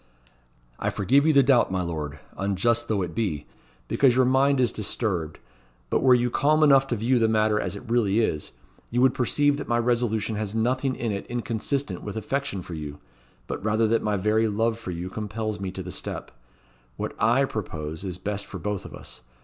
"I forgive you the doubt, my Lord unjust though it be because your mind is disturbed; but were you calm enough to view the matter as it really is, you would perceive that my resolution has nothing in it inconsistent with affection for you; but rather that my very love for you compels me to the step. What I propose is best for both of us.